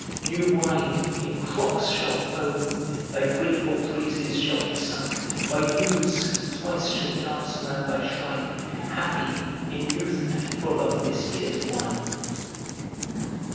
New wine, in crocks Shall foam! Thy grateful praises shall be sung By youths who thrice shall dance around thy shrine Happy, in youth and full of this year's wine!"